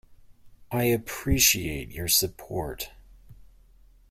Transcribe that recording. I appreciate your support.